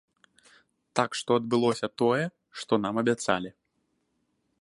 Так што адбылося тое, што нам і абяцалі.